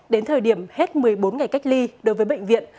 đến thời điểm hết một mươi bốn ngày cách ly đối với bệnh viện